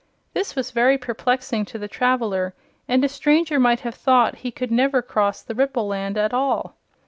This was very perplexing to the traveler, and a stranger might have thought he could never cross the Ripple Land at all.